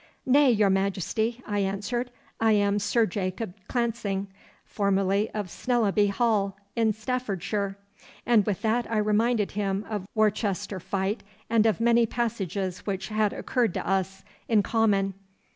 "Nay, your Majesty," I answered, "I am Sir Jacob Clancing, formerly of Snellaby Hall, in Staffordshire;" and with that I reminded him of Worcester fight and of many passages which had occurred to us in common.